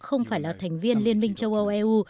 không phải là thành viên liên minh châu âu eu